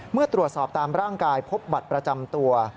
เมื่อตรวจสอบตามร่างกายพบบัตรประจำตัว